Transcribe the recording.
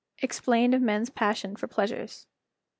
EXPLAINED OF MEN'S PASSION FOR PLEASURES.